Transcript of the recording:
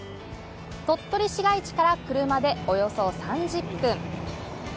鳥取市街地から車でおよそ３０分。